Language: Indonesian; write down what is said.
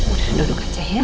udah duduk aja ya